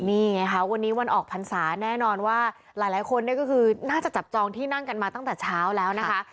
นี่ไงค่ะวันนี้วันออกพรรษาแน่นอนว่าหลายคนเนี่ยก็คือน่าจะจับจองที่นั่งกันมาตั้งแต่เช้าแล้วนะคะ